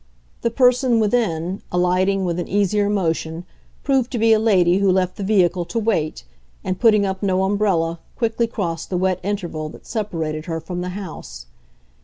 The person within, alighting with an easier motion, proved to be a lady who left the vehicle to wait and, putting up no umbrella, quickly crossed the wet interval that separated her from the house.